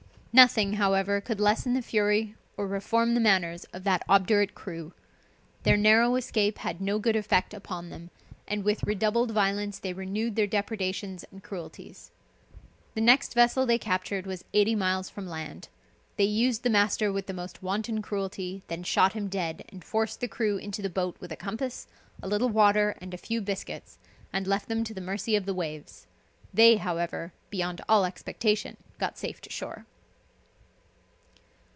Nothing, however, could lessen the fury, or reform the manners, of that obdurate crew. Their narrow escape had no good effect upon them, and with redoubled violence they renewed their depredations and cruelties. The next vessel they captured, was eighty miles from land. They used the master with the most wanton cruelty, then shot him dead, and forced the crew into the boat with a compass, a little water, and a few biscuits, and left them to the mercy of the waves; they, however, beyond all expectation, got safe to shore.